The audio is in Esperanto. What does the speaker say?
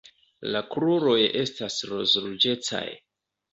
La kruroj estas roz-ruĝecaj.